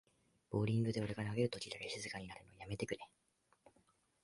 ボーリングで俺が投げるときだけ静かになるのやめてくれ